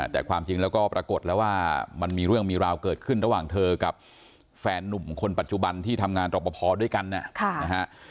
แต่ความจริงแล้วก็ปรากฏแล้วว่ามันมีเรื่องมีราวเกิดขึ้นระหว่างเธอกับแฟนนุ่มคนปัจจุบันที่ทำงานรอปภด้วยกันนะฮะ